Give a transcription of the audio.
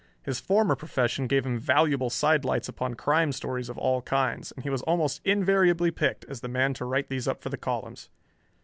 His former profession gave him valuable sidelights upon crime stories of all kinds, and he was almost invariably picked as the man to write these up for the columns.